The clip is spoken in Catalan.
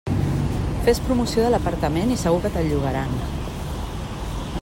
Fes promoció de l'apartament i segur que te'l llogaran.